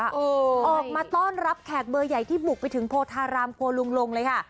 ออกมาต้อนรับแขกเบอร์ใหญ่ที่บุกไปถึงโพธารามโพลุงลงเลยค่ะ